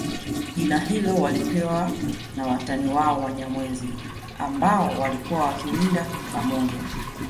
Jina hilo walipewa na watani wao Wanyamwezi ambao walikuwa wakiwinda pamoja